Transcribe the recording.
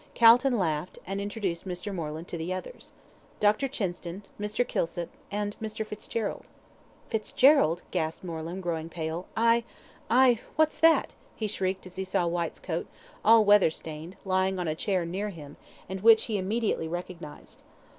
Calton laughed, and introduced Mr. Moreland to the others. "Dr. Chinston, Mr. Kilsip, and Mr. Fitzgerald." "Fitzgerald," gasped Moreland, growing pale. "I I what's that?" he shrieked, as he saw Whyte's coat, all weather stained, lying on a chair near him, and which he immediately recognised.